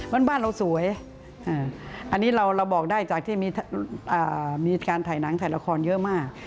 บ้านเราสวยอันนี้เราบอกได้จากที่มีการถ่ายหนังถ่ายละครเยอะมาก